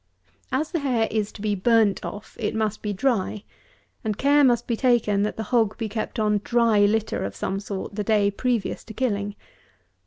As the hair is to be burnt off it must be dry, and care must be taken, that the hog be kept on dry litter of some sort the day previous to killing.